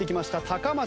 高松